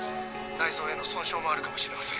内臓への損傷もあるかもしれません。